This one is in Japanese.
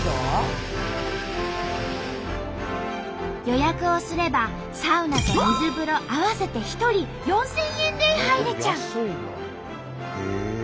予約をすればサウナと水風呂合わせて１人４，０００円で入れちゃう。